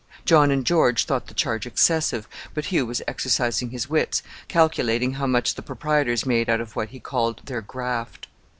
John and George thought the charge excessive, but Hugh was exercising his wits, calculating how much the proprietors made out of what he called their "graft."